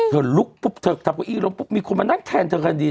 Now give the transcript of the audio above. เธอลุกทับเก้าอี้ลงมีคนมานั้นแทนเธอคันดี